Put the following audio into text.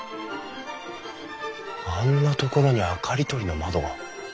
あんなところに明かり取りの窓が。